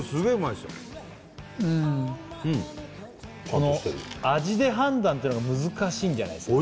うんうんうん味で判断っていうのが難しいんじゃないですか？